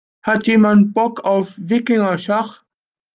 Hat jemand Bock auf Wikingerschach?